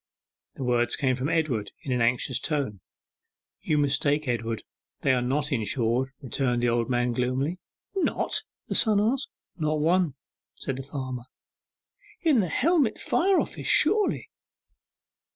The words came from Edward in an anxious tone. 'You mistake, Edward; they are not insured,' returned the old man gloomily. 'Not?' the son asked. 'Not one!' said the farmer. 'In the Helmet Fire Office, surely?